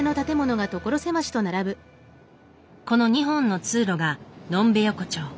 この２本の通路が呑んべ横丁。